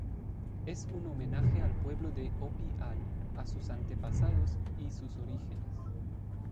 Es un homenaje al pueblo de "Hopi Hari", a sus antepasados, y sus orígenes.